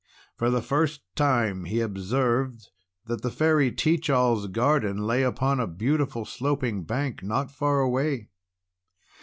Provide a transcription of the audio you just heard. For the first time he observed that the Fairy Teach All's garden lay upon a beautiful sloping bank not far away.